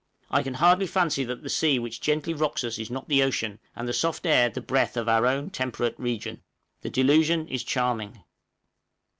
I can hardly fancy that the sea which gently rocks us is not the ocean, and the soft air the breath of our own temperate region! The delusion is charming.